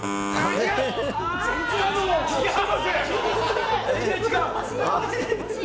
全然違う！